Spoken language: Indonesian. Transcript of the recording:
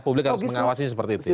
publik harus mengawasi seperti itu ya